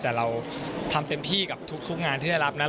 แต่เราทำเต็มที่กับทุกงานที่ได้รับนะ